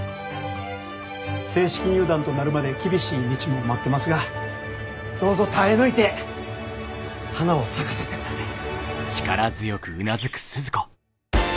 正式入団となるまで厳しい道も待ってますがどうぞ耐え抜いて花を咲かせてください。